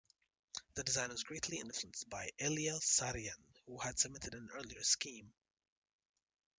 The design was greatly influenced by Eliel Saarinen, who had submitted an earlier scheme.